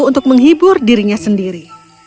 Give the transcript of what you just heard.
untuk menghibur dirinya sendiri